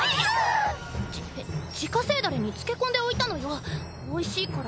じ自家製ダレに漬け込んでおいたのよおいしいから。